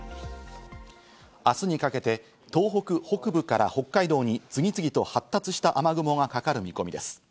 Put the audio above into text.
明日にかけて東北北部から北海道に次々と発達した雨雲がかかる見込みです。